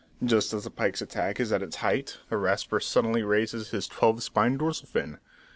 Just as the pike's attack is at its height, the Rasper suddenly raises his twelve spined dorsal fin.